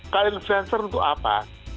kalau influencer untuk apa